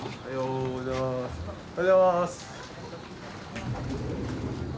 おはようございます。